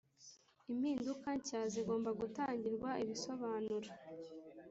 impinduka nshya zigomba gutangirwa ibisobanuro